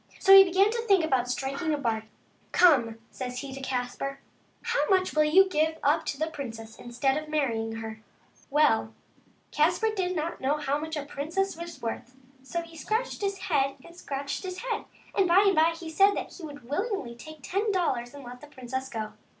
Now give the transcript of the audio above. So he began to think about striking a bargain. " Come," says he to Caspar, " how much will you take to give up the princess instead of marrying her ?" Well, Caspar did not know how much a princess was worth. So he scratched his head and scratched his head, and by and by he said that he would be willing to take ten dollars and let the princess go.